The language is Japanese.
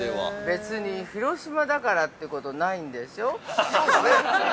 ◆別に、広島だからってことないんでしょう。